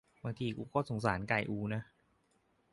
บางทีกูก็สงสารไก่อูนะ